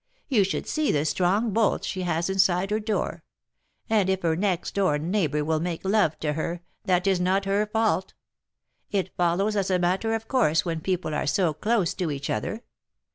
You should see the strong bolts she has inside her door; and if her next door neighbour will make love to her, that is not her fault; it follows as a matter of course when people are so close to each other.